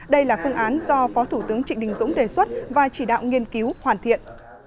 đây là phương án do phó thủ tướng trịnh đình dũng đề xuất và chỉ đạo nghiên cứu hoàn thiện